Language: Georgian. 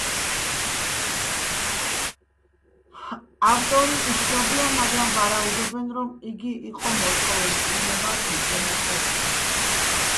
ავტორია უცნობია, მაგრამ ვარაუდობენ, რომ იგი იყო მოსკოველ მწიგნობარ დიპლომატთა წრიდან.